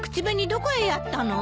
どこへやったの？